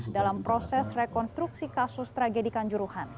dalam proses rekonstruksi kasus tragedikan juruhan